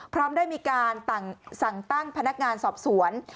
พร้อมได้มีการสั่งตั้งพนักงานสอบสวน